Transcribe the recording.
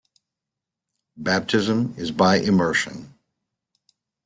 Baptism is by immersion.